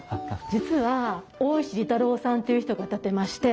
実は大石利太郎さんという人が建てまして。